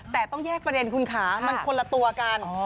แต่ต้องแยกประเด็นคุณขามันคนละตัวกัน